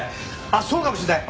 あっそうかもしれない！